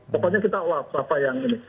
pokoknya kita all out apa yang ini